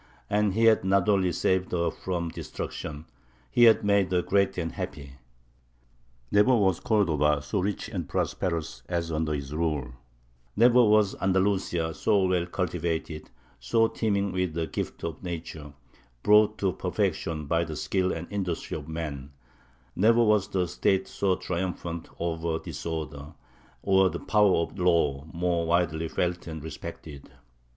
And he had not only saved her from destruction; he had made her great and happy. Never was Cordova so rich and prosperous as under his rule; never was Andalusia so well cultivated, so teeming with the gifts of nature, brought to perfection by the skill and industry of man; never was the State so triumphant over disorder, or the power of the law more widely felt and respected.